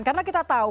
karena kita tahu